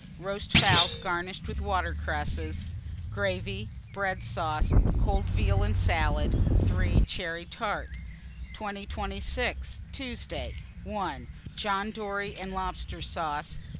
Roast fowls garnished with water cresses; gravy, bread sauce; cold veal and salad. 3. Cherry tart. 2026. Tuesday. 1. John dory and lobster sauce.